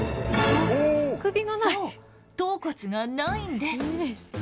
そう頭骨がないんです。